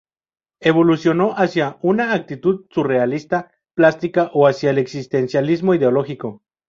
Evolucionó hacia una actitud surrealista plástica o hacia el existencialismo ideológico.